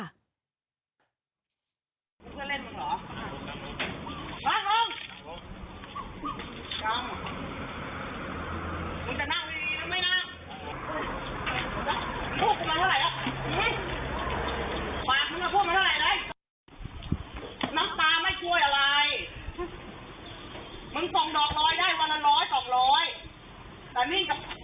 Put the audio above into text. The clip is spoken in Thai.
น้ำตาไม่ค่วยอะไร